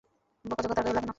বকাঝকা তার গায়ে লাগে না।